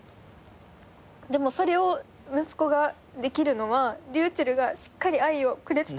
でもそれを息子ができるのはｒｙｕｃｈｅｌｌがしっかり愛をくれてたからだし。